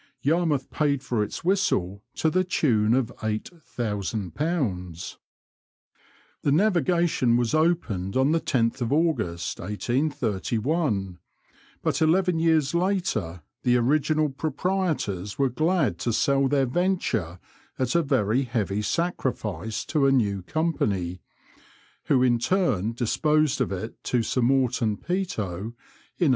Yarmouth paid for its whistle to the tune of £8000. The navigation was opened on the 10th August, 1831, but eleven years later the original proprietors were glad to sell their venture at a very heavy sacrifice to a new company, who in turn disposed of it to Sir Morton Peto in 1844.